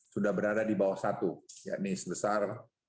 sudah berada di bawah satu yakni sebesar sembilan puluh delapan